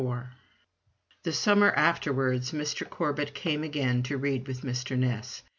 The summer afterwards Mr. Corbet came again to read with Mr. Ness.